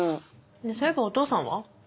そういえばお父さんは？